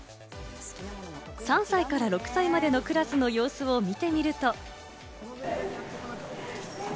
３歳から６歳までのクラスの様子を見てみると。